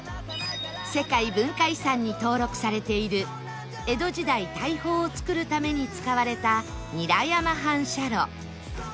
世界文化遺産に登録されている江戸時代大砲を造るために使われた韮山反射炉